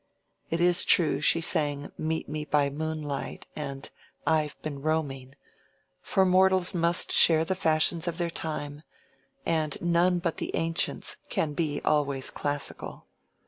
It is true she sang "Meet me by moonlight," and "I've been roaming"; for mortals must share the fashions of their time, and none but the ancients can be always classical.